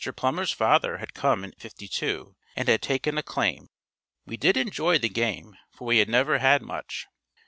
Plummer's father had come in '52 and had taken a claim. We did enjoy the game, for we had never had much.